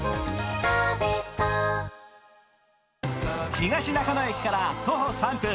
東中野駅から徒歩３分